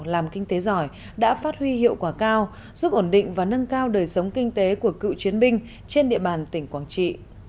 làm kinh tế giỏi đã phát huy hiệu quả cao giúp ổn định và nâng cao đời sống kinh tế của cựu chiến binh trên địa bàn tỉnh quảng trị